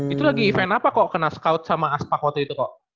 itu lagi event apa koko kena scout sama aspak waktu itu koko